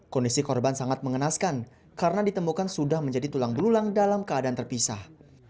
kondisi korban sangat mengenaskan karena ditemukan sudah menjadi tulang belulang dalam keadaan terpisah